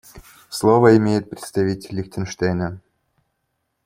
Слово имеет представитель Лихтенштейна.